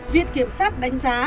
viện kiểm soát đánh giá